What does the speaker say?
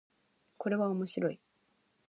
これは面白い